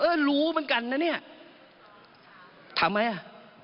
เออรู้เหมือนกันนะเนี่ยทำไมอ่ะ